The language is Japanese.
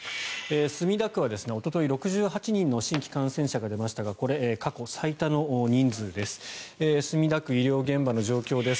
墨田区はおととい６８人の新規感染者が出ましたがこれ、過去最多の人数です。